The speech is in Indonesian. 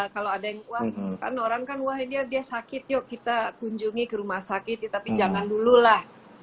kalau ada orang kan wak dia sakit yuk kita kunjungi ke rumah sakit ya tapi jangan dulu lah